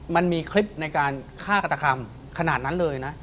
มันมีคลิปในการฆ่ากระตัมขนาดนั้นเลยนะ